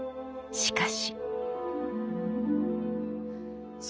しかし。